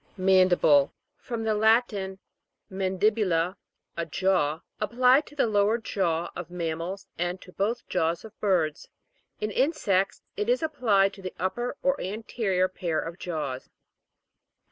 MAN'DIBLE. From the Latin, man dibula, a jaw. Applied to the lower jaw of mammals, and to both jaws of birds. In insects it is applied to the upper or anterior pair of jaws.